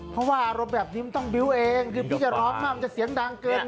เพราะว่าอารมณ์แบบนี้มันต้องบิ้วเองคือพี่จะร้องมากมันจะเสียงดังเกิน